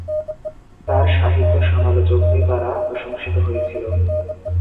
তার সাহিত্য সমালোচকদের দ্বারা প্রশংসিত হয়েছিল।